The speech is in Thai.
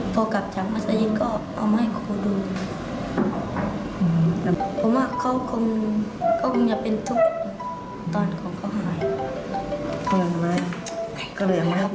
ตอนนั้นครูก็ปะไปตรวจและปะมาบอกว่าเป็นฟังเท